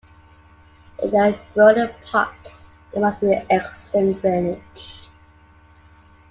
If they are grown in pots there must be excellent drainage.